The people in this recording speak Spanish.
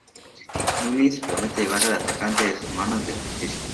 Mullins promete llevar al atacante de su hermano ante la justicia.